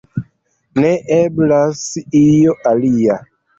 Ne eblas io alia.